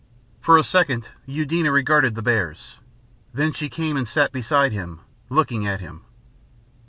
For a second Eudena regarded the bears, then she came and sat beside him, looking at him....